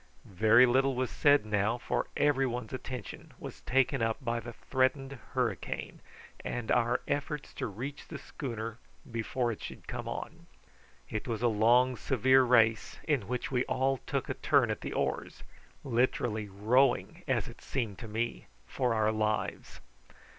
Very little was said now, for every one's attention was taken up by the threatened hurricane, and our efforts to reach the schooner before it should come on. It was a long severe race, in which we all took a turn at the oars, literally rowing as it seemed to me for our lives.